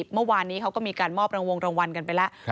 เมื่อวานนี้เขาก็มีการมอบรังวงรางวัลกันไปแล้ว